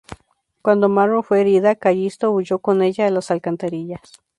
Cuando Marrow fue herida, Callisto huyó con ella a las alcantarillas.